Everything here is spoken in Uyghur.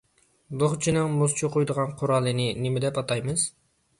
دوغچىنىڭ مۇز چوقۇيدىغان قورالىنى نېمە دەپ ئاتايمىز؟